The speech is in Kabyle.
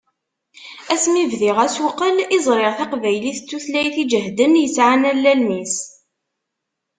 Asmi bdiɣ asuqel i ẓriɣ taqbaylit d tutlayt iǧehden, yesɛan allalen-is.